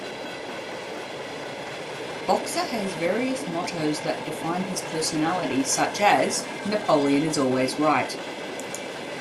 Boxer has various mottoes that define his personality, such as: Napoleon is always right.